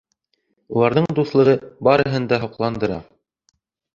Уларҙың дуҫлығы барыһын да һоҡландыра.